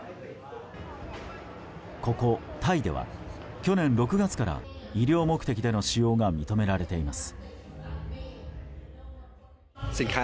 ここタイでは去年６月から医療目的での使用が認められています。